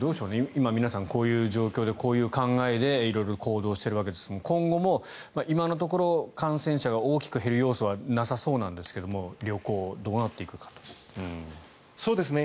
今皆さん、こういう状況でこういう考えで色々行動しているわけですが今後も感染者が大きく減る要素はなさそうですが旅行はどうなっていくでしょうか。